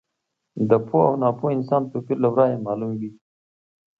د پوه او ناپوه انسان توپیر له ورایه معلوم وي.